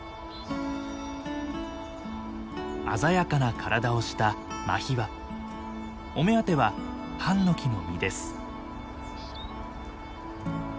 鮮やかな体をしたお目当てはハンノキの実です。